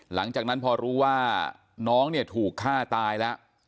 หลังจากนั้นพอรู้ว่าน้องเนี่ยถูกฆ่าตายแล้ว